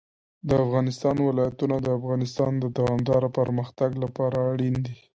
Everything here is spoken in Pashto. د افغانستان ولايتونه د افغانستان د دوامداره پرمختګ لپاره اړین دي.